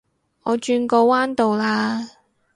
我轉個彎到啦